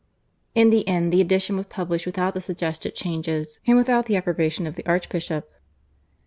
In the end the edition was published without the suggested changes and without the approbation of the archbishop.